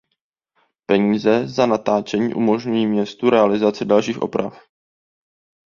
Peníze za natáčení umožňují městu realizaci dalších oprav.